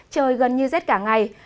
trời gần như rét cả ngày